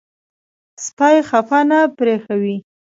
سپي خفه نه پرېښوئ.